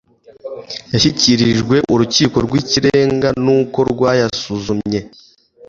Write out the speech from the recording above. yashyikirijwe urukiko rw ikirenga n uko rwayasuzumye